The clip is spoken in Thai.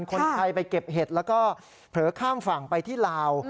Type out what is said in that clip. คนไทยไปเก็บเห็ดแล้วก็เผลอข้ามฝั่งไปที่ลาว